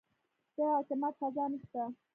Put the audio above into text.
د اعتماد فضا نه شته.